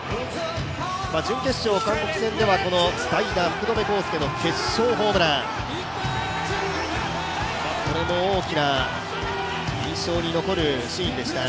準決勝、韓国戦では代打・福留孝介の決勝ホームラン、これも大きな印象に残るシーンでした。